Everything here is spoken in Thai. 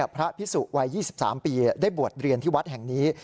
พระพิสุวัย๒๓ปีได้บวชเรียนที่วัดแห่งนี้